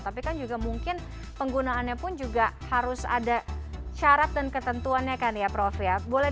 tapi kan juga mungkin penggunaannya pun juga harus ada syarat dan ketentuannya kan ya prof ya